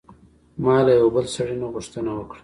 ما له یوه بل سړي نه غوښتنه وکړه.